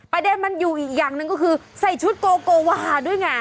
ประเด็นมันอยู่อีกอย่างหนึ่งก็คือใส่ชุดโกโกวาด้วยไง